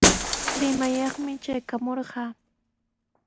Limayaqmi traykamurqaa.